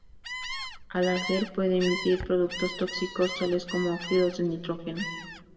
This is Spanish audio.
Al arder puede emitir productos tóxicos tales como óxidos de nitrógeno.